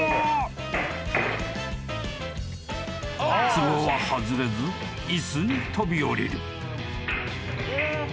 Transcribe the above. ［つぼは外れず椅子に飛び降りる］